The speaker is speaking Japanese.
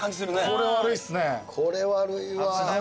これ悪いわ。